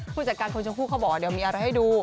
ผู้จัดการคุณชมพู่เขาบอกว่าเดี๋ยวมีอะไรให้ดู